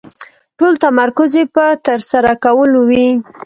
ټول تمرکز يې په ترسره کولو وي.